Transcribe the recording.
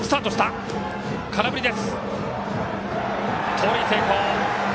盗塁成功！